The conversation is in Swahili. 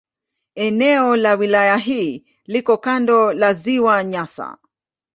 Eneo la wilaya hii liko kando la Ziwa Nyasa.